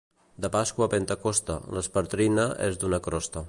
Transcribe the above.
De Pasqua a Pentecosta, l'espertina és d'una crosta.